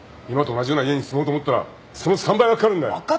今と同じような家に住もうと思ったらその３倍は掛かるんだよ。